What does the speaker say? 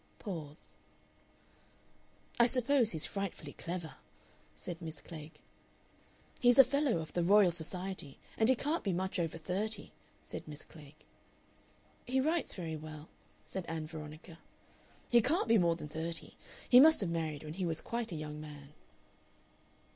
Pause. "I suppose he's frightfully clever," said Miss Klegg. "He's a Fellow of the Royal Society, and he can't be much over thirty," said Miss Klegg. "He writes very well," said Ann Veronica. "He can't be more than thirty. He must have married when he was quite a young man."